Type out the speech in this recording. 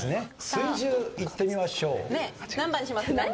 水１０いってみましょう。